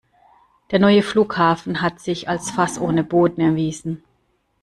Der neue Flughafen hat sich als Fass ohne Boden erwiesen.